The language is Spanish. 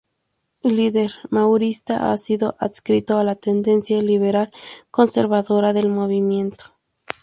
Líder maurista, ha sido adscrito a la tendencia liberal-conservadora del movimiento.